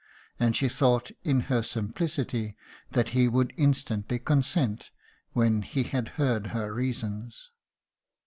And she thought in her simplicity that he would instantly consent when he had heard her reasons."